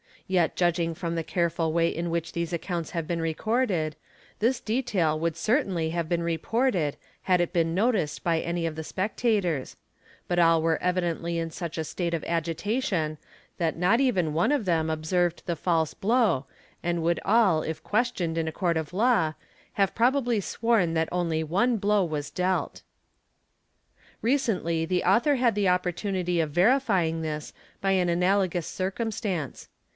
Yet judging from the careful way in which these accounts have been recorded, this detail would certainly have been reported had it beer noticed by any of the spectators; but all were evidently in such a state of agitation that not even one of them observed the false blow, and woul all if questioned in a court of law have probably sworn that only on blow was dealt. i: Recently the author had the opportunity of verifying this by al analogous circumstance.